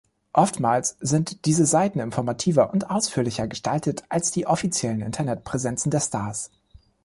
Oftmals sind diese Seiten informativer und ausführlicher gestaltet als die offiziellen Internetpräsenzen der Stars.